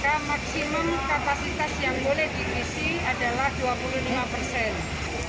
kalau itu zona urin